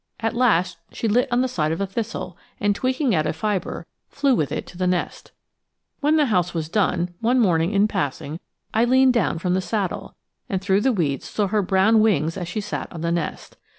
At last she lit on the side of a thistle, and tweaking out a fibre flew with it to the nest. When the house was done, one morning in passing I leaned down from the saddle, and through the weeds saw her brown wings as she sat on the nest.